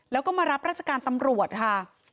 แล้วก็มารับราชการตำรวจค่ะ